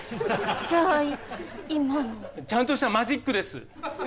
じゃあ今の。ちゃんとしたマジックです。